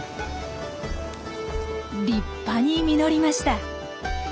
立派に実りました。